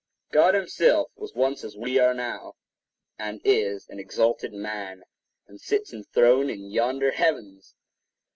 God himself was once as we are now, and is an exalted man, and sits enthroned in yonder heavens!